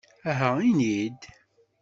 Aha, ini-d!